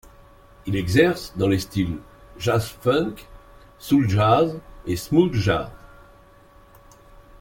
Il exerce dans les styles jazz-funk, soul jazz et smooth jazz.